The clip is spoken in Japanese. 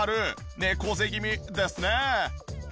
猫背気味ですね。